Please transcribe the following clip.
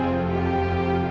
mereka berdua anda